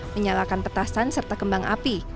menyalakan petasan serta kembang api